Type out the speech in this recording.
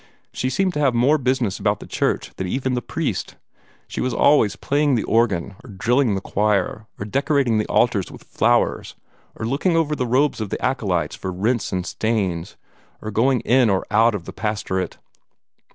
She seemed to have more business about the church than even the priest. She was always playing the organ, or drilling the choir, or decorating the altars with flowers, or looking over the robes of the acolytes for rents and stains, or going in or out of the pastorate.